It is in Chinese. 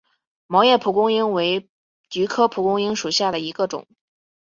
毛叶蒲公英为菊科蒲公英属下的一个种。